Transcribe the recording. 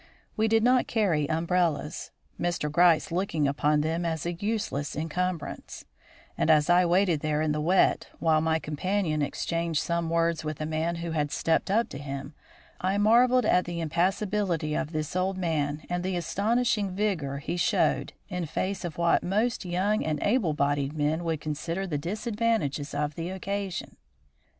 We did not carry umbrellas, Mr. Gryce looking upon them as a useless encumbrance; and as I waited there in the wet while my companion exchanged some words with a man who had stepped up to him, I marvelled at the impassibility of this old man and the astonishing vigour he showed in face of what most young and able bodied men would consider the disadvantages of the occasion.